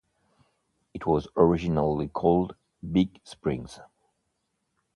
It was originally called Big Springs.